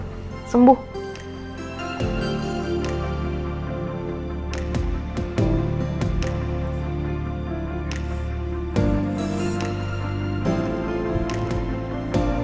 karo sembuh ya